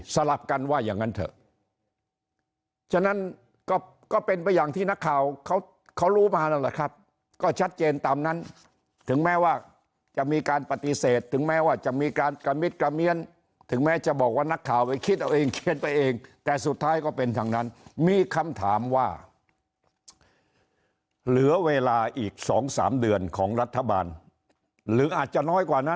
สลับกันว่าอย่างนั้นเถอะ